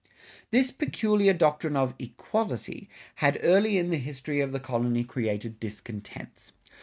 [62:1] This peculiar doctrine of "equality" had early in the history of the colony created discontents.